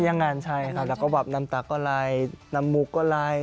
อย่างนั้นใช่ครับแล้วก็แบบน้ำตาก็ลายน้ำมุกก็ลาย